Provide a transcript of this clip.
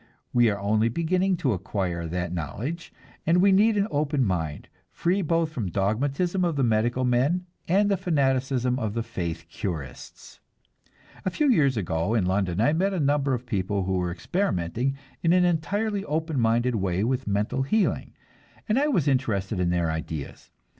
We are only beginning to acquire that knowledge, and we need an open mind, free both from the dogmatism of the medical men and the fanaticism of the "faith curists." A few years ago in London I met a number of people who were experimenting in an entirely open minded way with mental healing, and I was interested in their ideas.